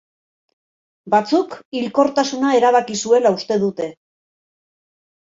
Batzuk, hilkortasuna erabaki zuela uste dute.